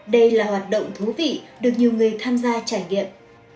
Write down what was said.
đây là hoạt động thú vị được nhiều người tham gia trải nghiệm